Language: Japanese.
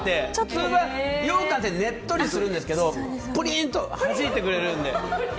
普通はようかんってねっとりするんですけどプリーンとはじいてくれるので。